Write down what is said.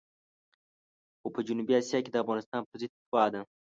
خو په جنوبي اسیا کې د افغانستان پرضد فتوا ده.